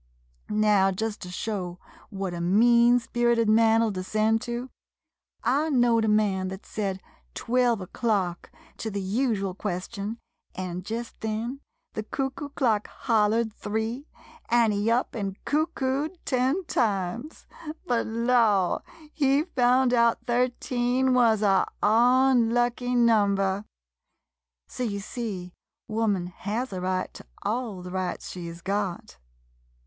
Now, just to show what a mean sperited man 'ull descend to — I knowed a man thet said "Twelve o'clock'' to the usual question, an' jest then the cuckoo 122 ON WOMAN'S RIGHTS clock hollered three, an' he up an' cuckooed ten times. But law — he found out thirteen wuz a unlucky number! So, you see, wo man has a right to all the rights she 's got.